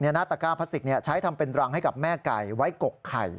หน้าตะก้าพลาสติกใช้ทำเป็นรังให้กับแม่ไก่ไว้กกไข่